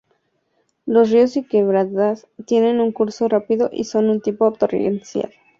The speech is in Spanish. Los ríos y quebradas tienen un curso rápido y son de tipo torrencial.